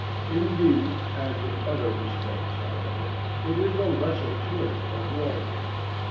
In these as in other respects, however, it is a lesser twin of Walden.